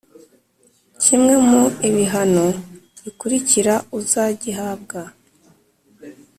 kimwe mu ibihano bikurikira uzagihabwa